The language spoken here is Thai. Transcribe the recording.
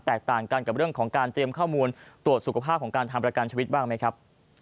ต่างกันกับเรื่องของการเตรียมข้อมูลตรวจสุขภาพของการทำประกันชีวิตบ้างไหมครับ